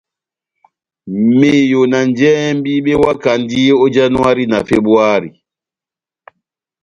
Meyo na njɛhɛmbi bewakandi ó Yanuhari na Febuwari.